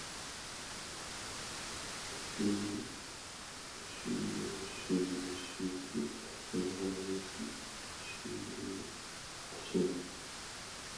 秋涼秋雨秋晴夜長紅葉秋麗初霜